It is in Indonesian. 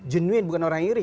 jenuin bukan orang yang iri